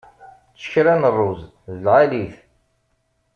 Ečč kra n rruẓ, d lɛali-t.